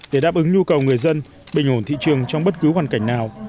để đáp ứng nhu cầu người dân bình ổn thị trường trong bất cứ hoàn cảnh nào